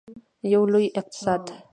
یو لوی اقتصاد.